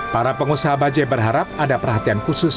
para pengusaha bajai berharap ada perhatian khusus